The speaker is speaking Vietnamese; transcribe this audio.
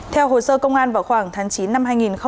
theo hồ sơ công an vào khoảng tháng chín năm hai nghìn hai mươi ba